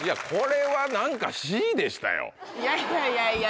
いやいやいやいや。